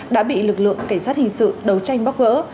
đã bị lực lượng cảnh sát hình sự đấu tranh bóc gỡ